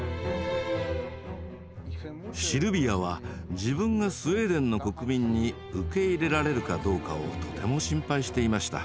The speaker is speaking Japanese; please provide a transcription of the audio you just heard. シルビアは自分がスウェーデンの国民に受け入れられるかどうかをとても心配していました。